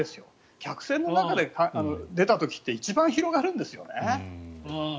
客船の中で出た時って一番広がるんですよね。